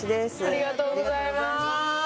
ありがとうございます。